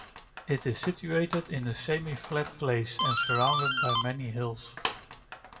It is situated in a semi flat place and surrounded by many hills.